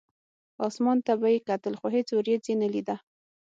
اسمان ته به یې کتل، خو هېڅ ورېځ یې نه لیده.